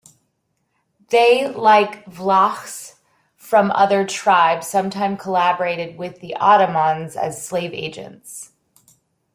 They like Vlachs from other tribes sometime collaborated with Ottomans as slave agents.